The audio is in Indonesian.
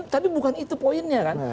tapi bukan itu poinnya kan